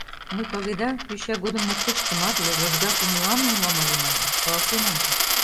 Мый, паледа, йоча годым моткоч тыматле, лыжга кумылан улам ыле манын, каласен ом керт.